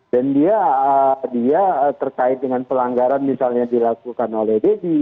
dan dia terkait dengan pelanggaran misalnya dilakukan oleh deddy